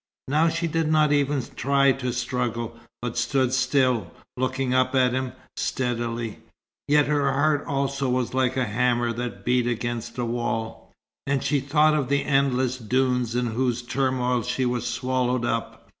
Now she did not even try to struggle, but stood still, looking up at him steadily. Yet her heart also was like a hammer that beat against a wall; and she thought of the endless dunes in whose turmoil she was swallowed up.